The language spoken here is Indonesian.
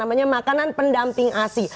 namanya makanan pendamping asli